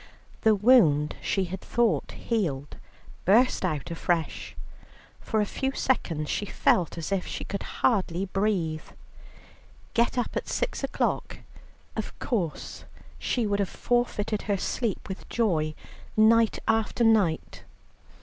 The wound she had thought healed burst out afresh; for a few seconds she felt as if she could hardly breathe. Get up at six o'clock, of course she would have forfeited her sleep with joy, night after night.